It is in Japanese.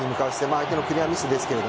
相手のクリアミスですが。